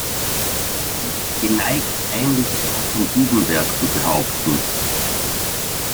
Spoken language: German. Er sei „geneigt, ähnliches auch von diesem Werk zu behaupten“.